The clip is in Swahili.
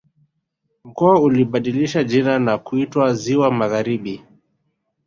Mkoa ulibadilishwa jina na kuitwa Ziwa Magharibi